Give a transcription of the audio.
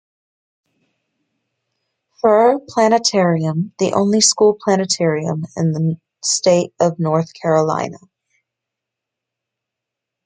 Furr Planetarium, the only school planetarium in the state of North Carolina.